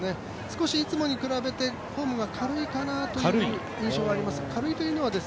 少しいつもに比べてフォームが軽いかなという印象があります。